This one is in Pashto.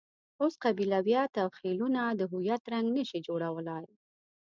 اوس قبیلویت او خېلونه د هویت رنګ نه شي جوړولای.